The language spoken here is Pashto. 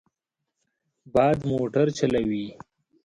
باد موټر چلوي.